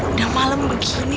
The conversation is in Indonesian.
udah malam begini